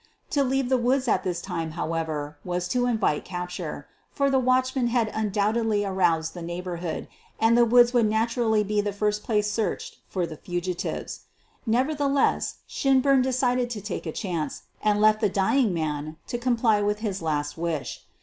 To leave the woods at this time, however, was to invite capture, for the watchman had undoubtedly aroused the neighborhood and the woods would naturally be the first place searched for the fugitives. Never theless Shinburn decided to take a chance and left the dying man to comply with his last wish.